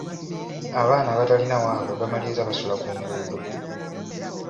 Abaana abatalina waabwe bamaliriza basula ku nguudo.